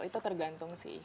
itu tergantung sih